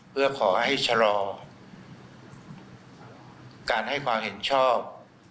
เพื่อขอให้ชะลอการให้ความเห็นชอบ